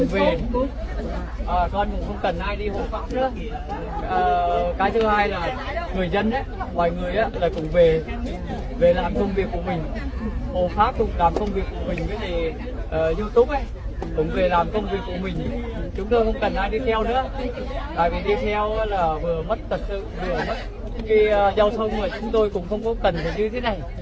vừa mất tật sự vừa mất cái giao thông của chúng tôi cũng không có cần như thế này